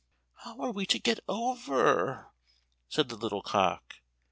"How are we to get over?" said the little cock.